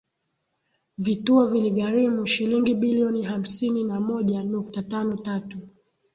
Vituo viligharimu shilingi bilioni hamsini na moja nukta tano tatu